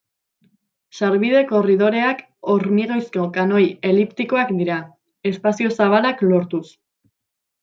Sarbide korridoreak hormigoizko kanoi eliptikoak dira, espazio zabalak lortuz.